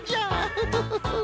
フフフフフ。